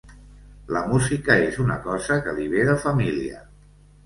La música és una cosa que li ve de família.